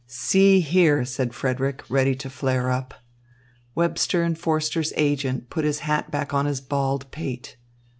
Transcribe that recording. "See here," said Frederick ready to flare up. Webster and Forster's agent put his hat back on his bald pate.